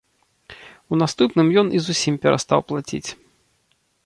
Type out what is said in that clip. У наступным ён і зусім перастаў плаціць.